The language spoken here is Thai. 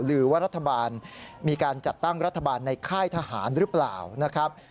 หรือว่ารัฐบาลมีการจัดตั้งรัฐบาลในค่ายทหารหรือเปล่านะครับ